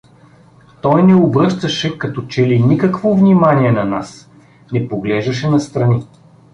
Той не обръщаше като че ли никакво внимание на нас, не поглеждаше настрани.